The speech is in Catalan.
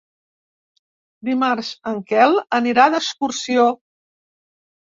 Dimarts en Quel anirà d'excursió.